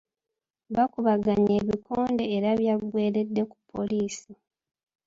Bakubaganye ebikonde era byaggweredde ku poliisi.